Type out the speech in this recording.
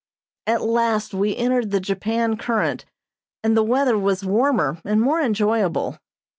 At last we entered the Japan current and the weather was warmer and more enjoyable.